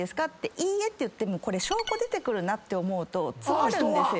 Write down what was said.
いいえって言ってもこれ証拠出てくるなって思うと詰まる。